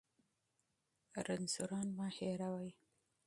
ناروغان مه هېروئ.